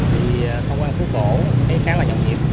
thì thông quan khu cổ thấy khá là nhọc nhiệt